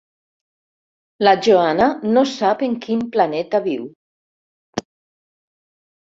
La Joana no sap en quin planeta viu.